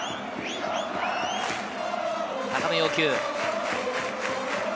高めを要求。